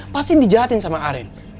pasti dijahatin sama arin